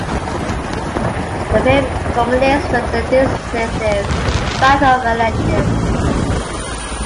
The film culminates with the decisive Battle of Alesia.